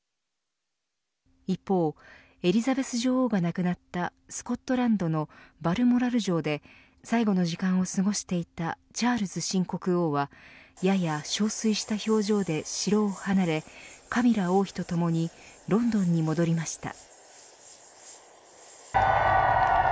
一方エリザベス女王が亡くなったスコットランドのバルモラル城で最後の時間を過ごしていたチャールズ新国王はやや憔悴した表情で城を離れカミラ王妃とともにロンドンに戻りました。